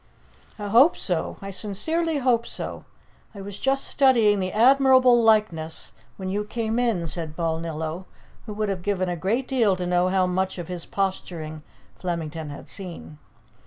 "I hope so. I sincerely hope so. I was just studying the admirable likeness when you came in," said Balnillo, who would have given a great deal to know how much of his posturing Flemington had seen.